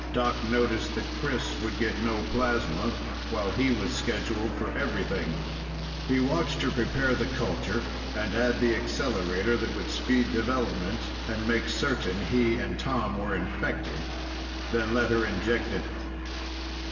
Doc noticed that Chris would get no plasma, while he was scheduled for everything. He watched her prepare the culture and add the accelerator that would speed development and make certain he and Tom were infected, then let her inject it.